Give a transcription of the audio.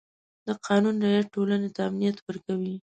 د قانون رعایت ټولنې ته امنیت ورکوي.